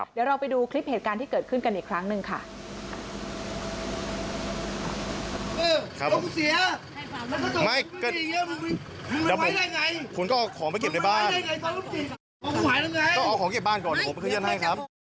เดี๋ยวเราไปดูคลิปเหตุการณ์ที่เกิดขึ้นกันอีกครั้งหนึ่งค่ะ